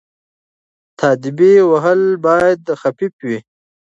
تاديبي وهل باید خفيف وي.